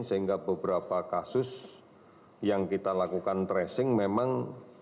sehingga beberapa kasus yang kita lakukan tracing memang